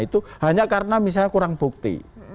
itu hanya karena misalnya kurang bukti